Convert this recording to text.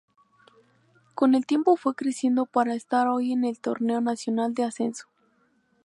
Con el tiempo fue creciendo para estar hoy en el Torneo Nacional de Ascenso.